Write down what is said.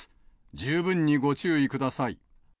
十分にご注意ください。